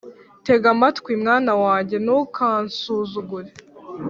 Tega amatwi, mwana wanjye, ntukansuzugure,